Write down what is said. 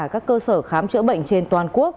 các cơ sở khám chữa bệnh trên toàn quốc